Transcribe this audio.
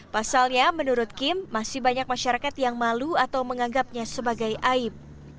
pasalnya menurut kim masih banyak masyarakat yang malu atau menganggapnya sebagai aib